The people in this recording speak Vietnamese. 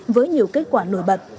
với nhiều kết quả nổi bật